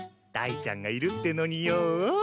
ダイちゃんがいるってのによ。